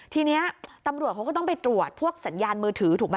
ทีนี้ตำรวจเขาก็ต้องไปตรวจพวกสัญญาณมือถือถูกไหม